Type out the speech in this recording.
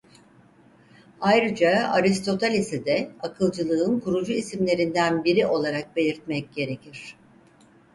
Ayrıca Aristoteles'i de akılcılığın kurucu isimlerinden biri olarak belirtmek gerekir.